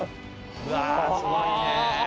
うわすごいね。